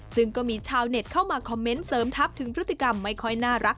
ซึ่งก็มีชาวเน็ตเข้ามาคอมเมนต์เสริมทัพถึงพฤติกรรมไม่ค่อยน่ารัก